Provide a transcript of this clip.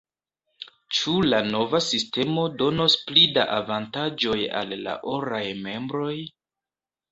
Ĉu la nova sistemo donos pli da avantaĝoj al la oraj membroj?